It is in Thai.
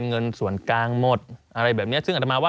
สนุนโดยหวานได้ทุกที่ที่มีพาเลส